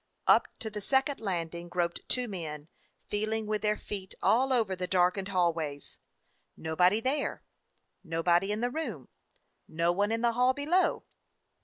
Up to the second landing groped two men, feeling with their feet all over the darkened hallways. Nobody there, nobody in the room, no one in the hall below.